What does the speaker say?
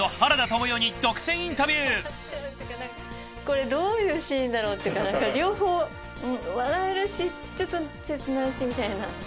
主演のこれどういうシーンだろうっていうかなんか両方笑えるしちょっと切ないしみたいな。